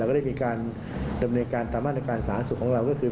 ก็ได้มีการดำเนินการตามมาตรการสาธารณสุขของเราก็คือ